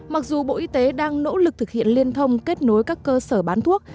mặc dù bộ y tế đang nỗ lực thực hiện liên thông kết nối các cơ sở bán thuốc